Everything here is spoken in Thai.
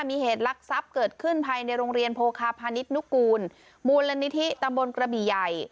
มีเหตุลักษัพเกิดขึ้นภายในโรงเรียนโพคาพาณิชนุกูลมูลนิธิตำบลกระบี่ใหญ่